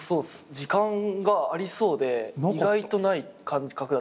時間がありそうで意外とない感覚だった俺も。